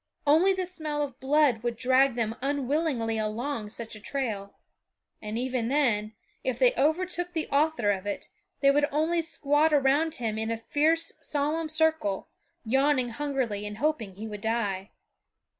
Only the smell of blood would drag them unwillingly along such a trail; and even then, if they overtook the author of it, they would only squat around him in a fierce solemn circle, yawning hungrily and hoping he would die.